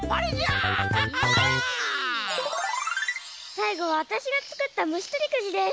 さいごはわたしがつくったむしとりくじです。